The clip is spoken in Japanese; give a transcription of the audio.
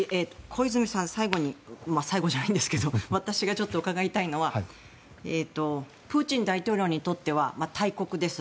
小泉さん、最後に最後じゃないんですけど私が伺いたいのはプーチン大統領にとっては大国です。